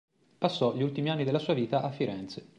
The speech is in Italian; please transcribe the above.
Passò gli ultimi anni della sua vita a Firenze.